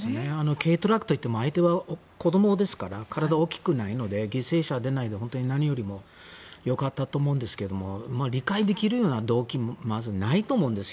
軽トラックといっても相手は子どもですから体は大きくないので犠牲者が出なくて何よりもよかったと思うんですが理解できるような動機がまずないと思うんです。